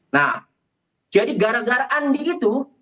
nah jadi gara gara andi itu